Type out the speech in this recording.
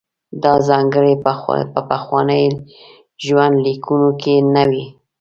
دا ځانګړنې په پخوانیو ژوندلیکونو کې نه وې.